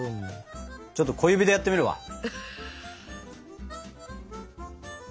ちょっと小指でやってみるわ。